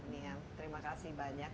niam terima kasih banyak